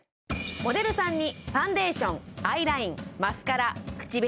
モデルさんにファンデーションアイラインマスカラ口紅